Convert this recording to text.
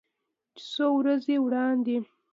چې څو ورځې وړاندې